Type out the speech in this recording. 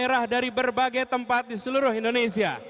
daerah dari berbagai tempat di seluruh indonesia